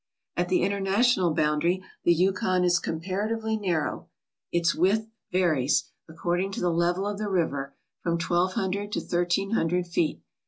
At the international boundary the Yukon is compara tively narrow. Its width varies, according to the level of the river, from twelve hundred to thirteen hundred feet.